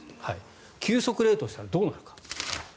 急速冷凍したらどうなるか。